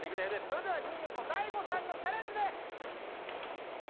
それでは２位予想大悟さんのチャレンジです。